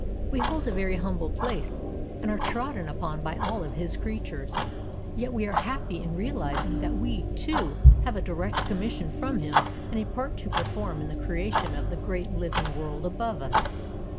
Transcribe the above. We hold a very humble place, and are trodden upon by all of His creatures, yet we are happy in realizing that we, too, have a direct commission from him and a part to perform in the creation of the great living world above us.